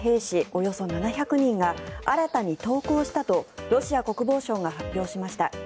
およそ７００人が新たに投降したとロシア国防省が発表しました。